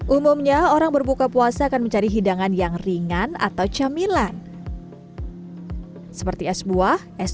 umumnya orang berbuka puasa akan mencari hidangan yang ringan atau camilan seperti es buah es